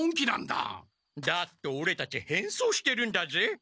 だってオレたちへんそうしてるんだぜ。